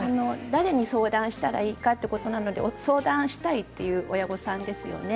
誰に相談すればいいかということなので相談したいという親御さんですよね。